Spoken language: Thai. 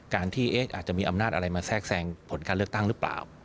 การที่อาจจะมีอำนาจอะไรมาแทรกแทรงผลการเลือกตั้งหรือเปล่า